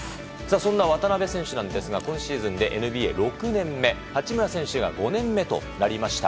そんな渡邊選手ですが今シーズンでＮＢＡ６年目八村選手が５年目となりました。